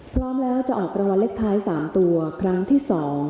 พร้อมแล้วจะออกรางวัลเลขท้าย๓ตัวครั้งที่๒